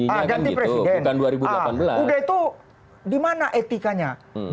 udah itu dimana etikanya